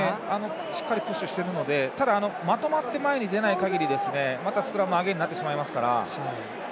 しっかりプッシュしてますのでただ、まとまって前に出ない限りまたスクラム、アゲインになってしまいますから。